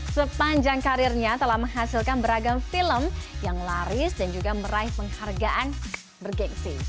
sepanjang karirnya telah menghasilkan beragam film yang laris dan juga meraih penghargaan bergensi